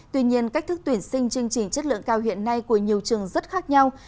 tuy nhiên cách thức tuyển sinh chương trình chất lượng cao hiện nay của nhiều trường rất khác nhau